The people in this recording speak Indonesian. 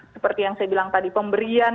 seperti yang saya bilang tadi pemberian